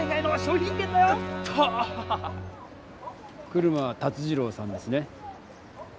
車辰二郎さんですね？